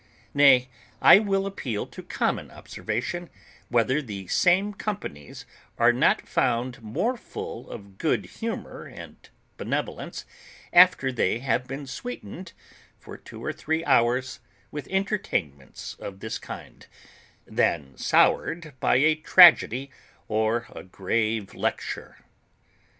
Nay, I will appeal to common observation, whether the same companies are not found more full of good humour and benevolence, after they have been sweetened for two or three hours with entertainments of this kind, than when soured by a tragedy or a grave lecture.